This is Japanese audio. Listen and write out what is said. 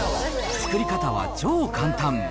作り方は超簡単。